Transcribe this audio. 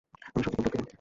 আমি সত্যিই খুব দুঃখিত।